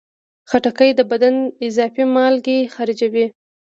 خټکی د بدن اضافي مالګې خارجوي.